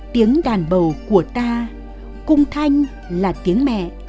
tiếng đàn bầu của ta cung thanh là tiếng mẹ